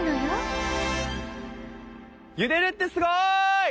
「ゆでる」ってすごい！